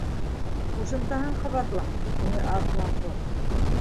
— Ҡушымтаһын ҡабатла! —тине Арыҫланҡош.